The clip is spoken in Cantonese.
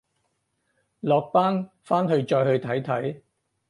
落班翻去再去睇睇